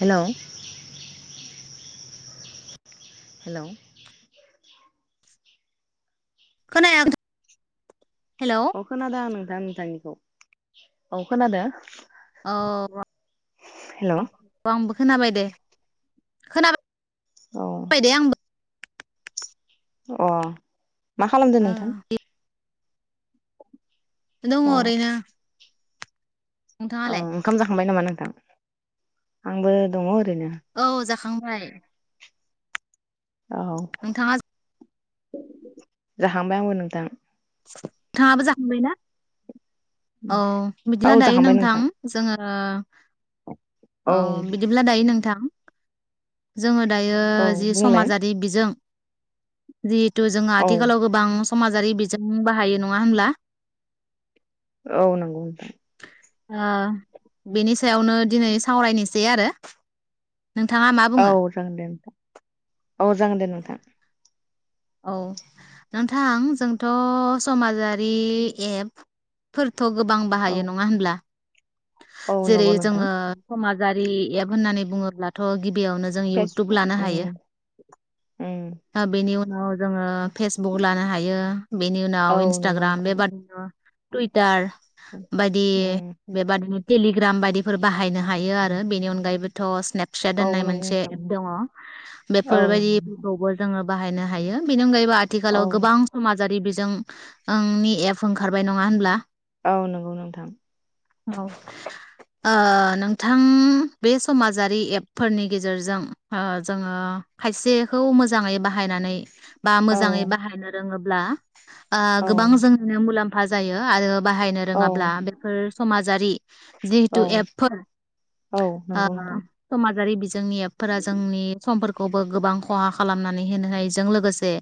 Hello hello खोनाया hello अ खोनादों आं नोंथां। नोंथांनिखौ औ खोनादों। औ हेलौ आंबो खोनाबाय दे खोना औ अ मा खालामदों ओ नोंथां? दङो औ ओरैनो। औ नोंथाङालाय ओंखाम जाखांबाय नामा नोंथां? आंबो दङो। औ जाखांबाय। औ नोंथाङा जाखांबाय आंबो नोंथां। नोंथाङाबो जाखांबायना? औ बिदिब्ला औ दायो जाखांबाय नोंथां जोङो औ बिदिब्ला दायो नोंथां जोङो दायो औ जि बुंलाय समाजारि बिजों जि तु जों औ आथिखालाव गोबां समाजारि बि जों बाहायो नङा होनब्ला? औ नंगौ नोंथां ओ बेनि सायावनो दिनै सावरायनोसै आरो नोंथाङा मा औ बुङो जागोन दे नोंथां औ जागोन दे। नोंथां औ नोंथां जोंथ' समाजारि एपफोर थ गोबां बाहायो औ नङा होनब्ला? औ जेरै नंगौ नोंथां जोङो समाज जारि एप होननानै बुङोब्लाथ' गिबियावनो जों इउटुब फेसबुक लानो उम हायो उम दा बेनि उन [unintelligible] फेसबुक लानो हायो बेनि औ उनाव नंगौ इन्सटाग्राम नोंथां बेबादिनो टुइटार बादि उम बेबायदिनो टेलिग्रामबायदिफोर बाहायनो हायो आरो बेनि अनगायैबोथ' फिसा औ दोननाय नंगौ मोनसे नोंथां एप दङ औ नंगौ बेफोरबायदिफोरखौबो जोङो बाहायनो हायो बेनि अनगायै नोंथां। औ आथिखालाव गोबां समाजारि बिज जों आंनि एप ओंखारबाय नङा होनब्ला? औ नंगौ नोंथां औ ओ नोंथां बे समाजारि एपफोरनि गेजेरजों ओ जोङो खायसेखौ मोजाङै बाहायनानै बा औ मोजाङै बाहायनो रोङोब ब्ला आ गोबां औ जोंनो मुलाम्फा फा जायो आरो। बाहायनो औ रोङाब्ला बेफोर समाजारि जिहेतु औ एपफोर औ ओ नंगौ नोंथां समाजारि बिजोंनि एपफोरा जोंनि समफोरखौबो गोबां खहा खालामनानै होनो हानायजों लोगोसे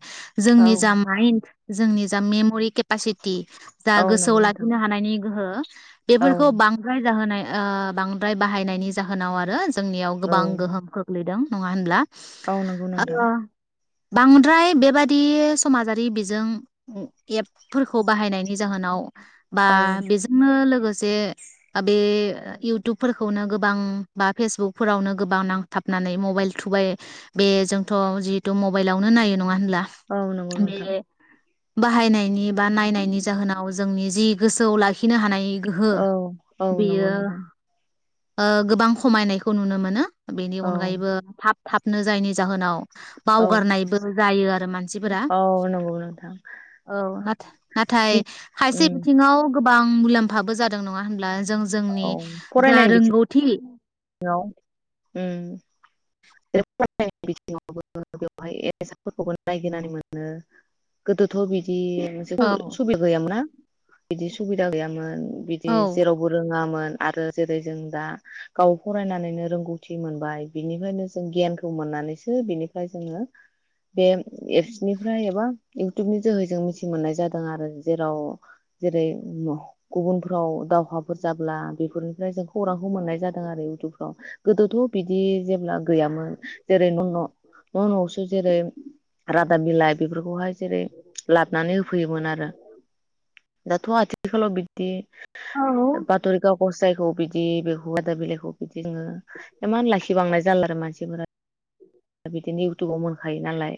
औ जोंनि जा माइन्द जोंनि जा मेम'रि केपासिटि टि जा औ गोसोआव नंगौ नोंथां लाखिनो हानायनि गोहो औ फोरखौ बांहो [unintelligible] ज आ बांद्राय बाहायनायनि जाहोनाव आरो जोंनियाव औ गोबां गोहोम खोग्लैदों। नङा होनब्ला? औ नंगौ नोंथां ओ बांद्राय बेबादि समाजारि बिजों एपफोरखौ बाहायनायनि जाहोनाव बा औ बेजोंनो लोगोसे जे बे इउटुबफोरखौनो गोबां बा फेसबुकफोरावनो गोबां नांथाबनानै मबाइल थुबाय बे जोंथ' जिहेथु मबाइलावनो नायो। नङा होमब्ला औ नंगौ बे नोंथां बाहायनायनि बा नायनायनि जाहोनाव जोंनि जि गोसोआव लाखिनो हानाय गोहो औ औ नंगौ बेयो नुदों ओ गोबां खमायनायखौ नुनो मोनो बेनि औ अनगायैबो थाब थाबनो जायनि जाहोनाव औ बावगारनायबो जायो आरो मानसिफोरा औ नंगौ नोंथां औ ना- नाथाय बि खायसे उम बिथिङाव गोबां मुलाम फाबो जादों नङा होनब्ला जों जोंनि जा रोंगौथि [unintelligible] [unintelligible] औ गैयामोनना बिदि सुबिदा गैयामोन। बिदि औ जेरावबो रोङामोन। आरो जेरै जों दा गाव फरायनानैनो रोंगौथि मोनबाय बिनिफ्रायनो जों गियानखौ मोननानैसो बिनिफ्राय जोङो बे एप्सनिफ्राय एबा इउटुबनि जोहै जों मिथि मोननाय जादों आरो जेराव जेरै गुबुनफ्राव दावहाफोर जाब्ला बेफोरनिफ्राय जों खौरांखौ मोननाय जादों दों आरो इउटुबफ्राव गोदोथ' बिदि जेब्ला गैयामोन जेरै न'-न'-न'-न'-आवसो जेरै रादाब बिलाइ बेफोरखौहाय जेरै लाबनानै होफैयोमोन आरो दाथ' आथिखालाव बिदि औ बाथरि कागस जाय थ बिदि बेखौ दा बिलाइखौ बिदि जोङो इमान लाखि बांनाय जाला आरो मानसिफोरा बिदिनो इउटुबाव मोनखायो नालाय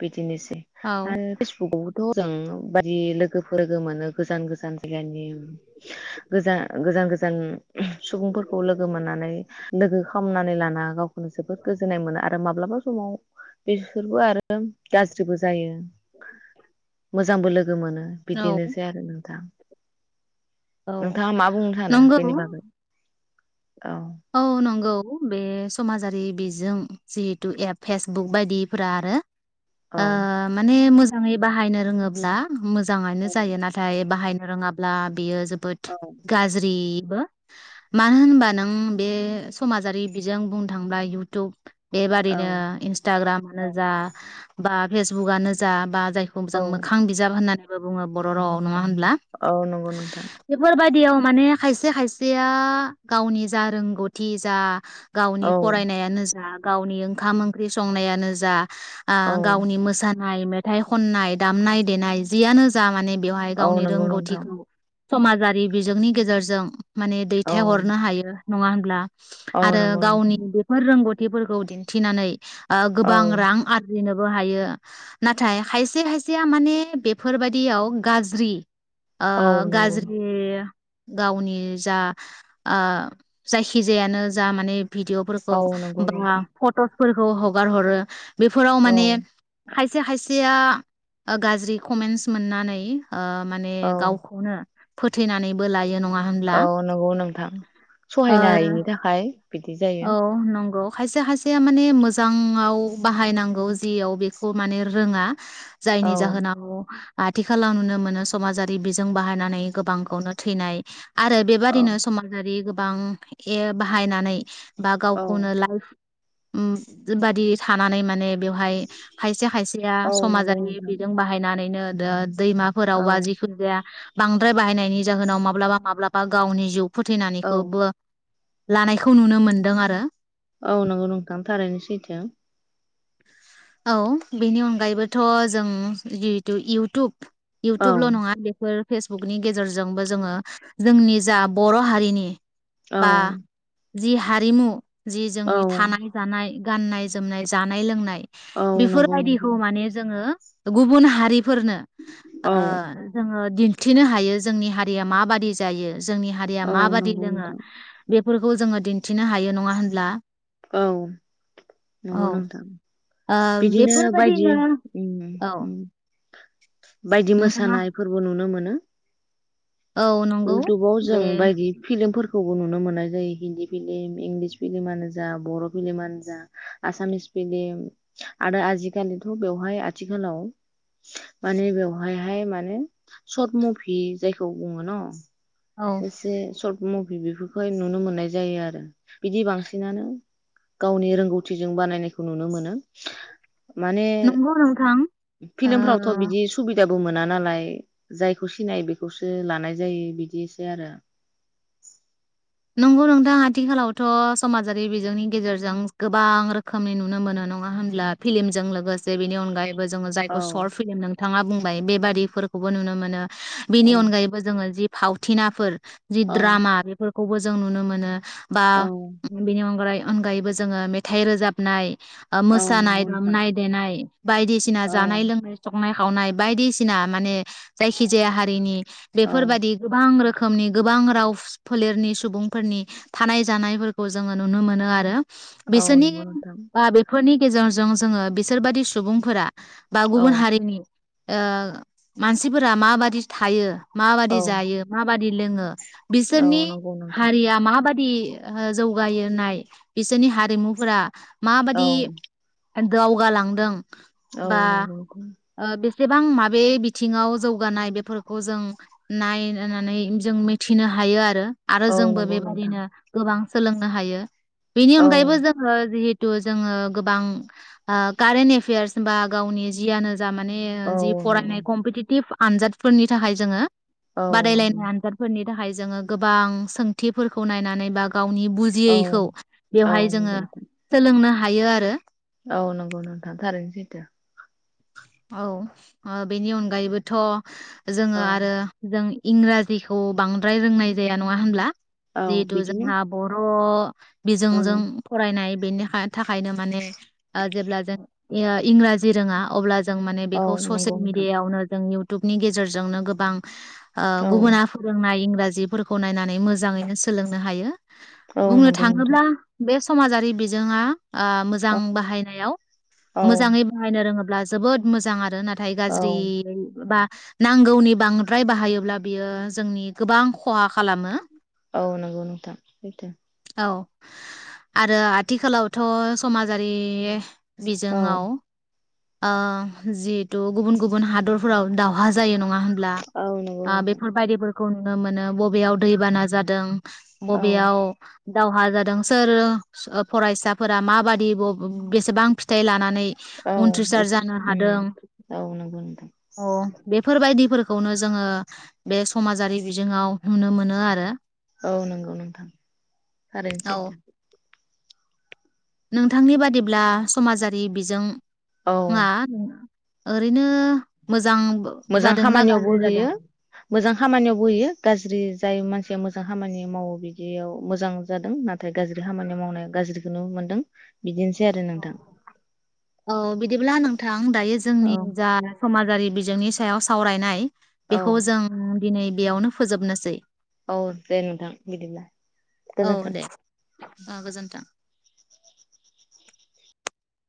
बि दिनोसै औ आरो फेसबुकआव जों बायदि लोगोफोर मोनो गोजान गोजान जाननि गोजा गोजा जान सुबुंफोरखौ लोगो मोननानै लोगो खामनानै लाना गाव जोबोद गोजोननाय मोनो आरो माब्लाबा समाव बेसोरबो आरो गाज्रिबो जायो। [inaudible] जांबो लोगो गो मोनो बिदिनोसै आरो नोंथां। औ नोंथाङा मा बुंनो सानो नंगौ बेनि बागै? औ औ नंगौ बे समाजारि बिजों जिहेतु एप फेसबुक बायदिफोरा आरो औ ओ माने मोजा मोजाङै बाहायनो रोङोब्ला मोजाङानो जायो नाथाय बाहाय रोङाब्ला बियो जोब औ गाज्रि मानो होनबा नों बे समाजारि बिजों बुंनो थांब्ला इउटुब बेबादिनो औ इन्सटाग्रामानो औ जा बा फेसबुकनो जा बा जायखौ औ जों मोखां बिजाब होननानै बुङो बर' रावाव नङा ‌होनब्ला औ नंगौ नोंथां बेफोरबायदि माने खायसे खायसेया गावनि जा रों गथि जा गावनि औ फरायनायानो जा गावनि ओंखाम ओंख्रि संनायानो जा औ गावनि मोसानाय नाय मेथाइ खननाय दामनाय देनाय जियनो जा माने बेवहाय औ गावनि नंगौ नोंथां रोंगौथिखौ समाजारि बिजोंनि गेजेरजों माने औ दैथाय हरनो हायो। नङा ब्ला औ आरो नंगौ गावनि नोंथां बेफोर रोंगौथि फोरखौ दिन्थिनानै औ गोबां रां आरजिनो हायो नाथाय खायसे खायसेया माने बेफोरबायदियाव गाज्रि ओ औ नंगौ गाज्रि गावनि जा जायखिजायानो जा माने भिदिअफोरखौ औ नंगौ बा नोंथां फट' फोरखौ हगार हरो। बेफोराव औ माने खायसे खायसेया गाज्रि कमेन्टस मोननानै माने औ गावखौनो फोथैनानैबो लायो नङा। होनब्ला औ नंगौ नोंथां। सहायनो ओ हायैनि थाखाय बिदि जायो। नोंगौ खायसे खायसेया माने मोजाङाव बाहायनांगौ जियाव बेखौ माने रोङा औ जायनि जाहोनाव आथिखालाव नुनो मोनो समाजारि बिजों बाहायनानै गोबांखौनो थैनाय आरो औ बेबादिनो समाजारि गोब गोबां ए बाहायनानै बा औ गावखौनो लाइफ उम बादि थानानै माने बेवहाय खायसे खायसेया औ नंगौ समाजारि नोंथां बिजों बाहायनानैनो दा औ दैमाफोरावबा जिखुनु जाया बांद्राय बाहायनायनि जाहोनाव माब्लाबा माब्लाबा गावनि जिउ फोथै औ गबा लानायखौ नुनो मोनदों आरो बेथा औ बेनि अनगायैबोथ' जों जिहेथु इउटुब औ इउटुबल' नङा बेफोर फेसबुकनि गेजेरजोंबो जोङो जोंनि जा बर' हारिनि औ बा जि हारिमु जि औ जोंनि थानाय जानाय गाननाय जोमनाय जानाय लोंनाय औ नंगौ नोंथां बेफोरबायदिखौ माने जों हो गुबुन हारि फोरनो औ ओ जोङो दिन्थिनो हायो जोंनि हारिया माबादि जायो। जोंनि हारिया औ माबादि नंगौ लोङो नोंथां बे फोरखौ जोङो दिन्थिनो हायो नङा होनब्ला? औ औ नंगौ नोंथां। ओ बिदिनो बायदि बेफोरबायदिनो उम औ उम बायदि नोंथाङा मोसानाय फोरबो नुनो मोनो। [unintelligible] औ नंगौ इउटुबाव जों बे बायदि फिल्मफोरखौ खौबो नुनो मोननाय जायो हिन्दी फिलिम इंलिस फिलिमानो जा बर फिलिमानो जा आसामिस फिलिम आरो आजिखालिथ' बेवहाय आथिखालाव माने बेवहायहाय माने सर्ट मुभि जायखौ बुङो न औ [inaudible] एसे सर बुं बेफोरखौहाय नुनो मोननाय जायो आरो बिदि बांसिनानो गावनि रोंगौथिजों बानायनायखौ नुनो मोनो माने नंगौ नोंथां फिलिम फ्रावथ ओ बिदि सुबिदा बो मोना नालाय जायखौ सिनायो बेखौसो लानाय जायो बिदि आरो नंगौ नोंथा आथिखालावथ समाजारि बिजोंनि गेजेरजों गोबां रोखोमनि नुनो मोनो नङा होनब्ला फिलिमजों लोगोसे बेनि अनगायैबो जोङो औ जायखौ शर्ट फिलिम नोंथां थाङा बुंबाय बेबादिफोरखौबो नुनो मोनो। बिनि औ अनगायैबो जोङो जि फावथिनाफोर जि औ द्रामा बेफोर खौबो जों नुनो मोनो बा औ बिनि अनगायै अनगायैबो जोङो मेथाइ रोजाबनाय औ मोसानाय नंगौ नोंथां दामनाय देनाय बायदिसिना औ जानाय लोंनाय संनाय खावनाय बायदिसिना माने जायखि जाया हारिनि औ बेफोरबादि गोबां रोखो रोखोमनि गोबां राव फ फोलेरनि सुबुंफोरनि थानाय जानायफोरखौ जोङो नुनो मोनो आरो। औ बिसोरनि नंगौ नोंथां बा बेफोरनि जेरजों जोङो बिसोरबादि सुबुंफोरा बा औ गुबुन हारिनि ओ मानसिफोरा माबादि थायो? माबादि औ जायो मा बादि लोङो औ सोरनि नंगौ नोंथां हारिया माबादि दि ओ जौगायो नाय बिसोरनि हारिमुफोरा औ माबादि दावगालांदों। औ नंगौ। एसेबां माबे बिथिङाव जौगानाय बेफोरखौ जों नायनानै जों मिथिनो हायो आरो। आरो औ जोंबो नंगौ नोंथां बेबादिनो गोबां सोलोंनो हायो बेनि औ अनगायैबो जोङो जि दु जोङो गोबां ओ कारेन एफेयारस बा गावनि जियानो जा माने औ जि नंगौ फरायनाय कम्पिटिटिभ आनजादफोरनि थाखाय जोङो औ नंगौ बादायलायनाय आनजादफोरनि दाहाय जोङो गोबां सोंथिफोरखौ नायनानै बा गावनि औ बुजियैखौ औ बेवहाय नंगौ जोङो नोंथां सोलोंनो हा हायो आरो। औ नंगौ नोंथां थारैनो सैथो औ अ बेनि अनगायैबोथ' जोङो औ आरो जों इंराजिखौ बांद्राय रोंनाय जाया नङा होनब्ला औ जिहेथु बिदिनो जोंहा बर' अ औ बिजोंजों फरायनाय बेनि हा थाखायनो माने ओ जेब्ला जों इंराजि रोङा अब्ला जों माने औ बेखौ नंगौ ससियेल नोंथां मिडियायावनो जों इउटुबनि गेजेरजोंनो गोबां ओ औ गुबुना फोरोंनाय इं राजिफोरखौ नायनानै मोजाङैनो सोलोंनो हायो। औ बुंनो नंगौ नोंथां थाङोब्ला बेस समाजारि बिजोङा आं मोजां बाहायनायाव औ मोजाङै बाहायनो रोङोब जोबोद मोजां आरो ना थाय औ गाज्रि बा नांगौनि बांद्राय बाहायोब्ला बियो जोंनि गोबां खहा खालामो औ नंगौ नोंथां सैथो औ आरो आथिखालावथ' समाजारि बिजों औ आव ओ जिहेथु गुबुन गुबुन हादरफोराव दावहा जायो नङ नङा होनब्ला औ नंगौ आ नोंथां बेफोर बादिबो खौ नुनो मोनो बबेयाव दैबाना जादों? औ बबेयाव? दावहा जादों सोर ओ फरायसाफोरा माबादि ब-बेसेबां फिथाइ लानानै नै उन [unintelligible] औ नंगौ नोंथां। अ बेफोरबायदिफोरखौनो जोङो बे समाजारि बिजोङाव नुनो मोनो आरो। औ नंगौ नोंथां थारैनो औ सैथो नोंथांनि बादिब्ला समाजारि बिजों औ आ ओरैनो मोजां मोजां जादोंना खामानियाव बो गाज्रि जादों होयो मोजां खामानियाव बोहैयो गाज्रि जाय मानसिया मोजां खामानि मावो बिदियाव मोजां जादों नाथाय गाज्रि खामानि मावनाया गाज्रिखौ मोनदों। बिदिनोसै आरो नोंथां औ बिदिब्ला नोंथां दायो औ जोंनि जा समाज आरि बिजोंनि सायाव सावरायनाय। औ बेखौ जों दिनै बेयावनो फोजोबनोसै औ दे नोंथां बिदिब्ला। गोजोन्थों औ दे गोजोन्थों